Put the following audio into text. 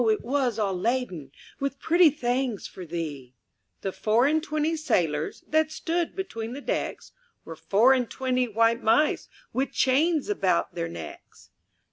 it was all laden With pretty things for thee ! The four and twenty sailors That stood between the decks Were four and twenty white mice, With chains about their necks.